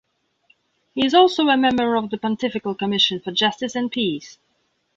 He is also a member of the Pontifical Commission for Justice and Peace.